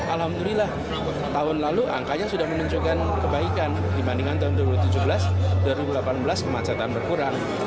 alhamdulillah tahun lalu angkanya sudah menunjukkan kebaikan dibandingkan tahun dua ribu tujuh belas dua ribu delapan belas kemacetan berkurang